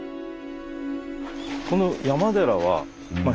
この山寺はうん。